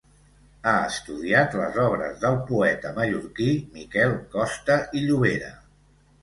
Ha estudiat les obres del poeta mallorquí, Miquel Costa i Llobera.